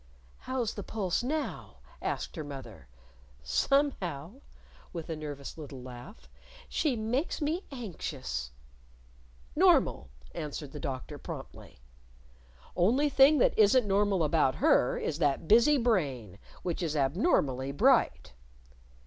"How's the pulse now?" asked her mother. "Somehow" with a nervous little laugh "she makes me anxious." "Normal," answered the Doctor promptly. "Only thing that isn't normal about her is that busy brain, which is abnormally bright."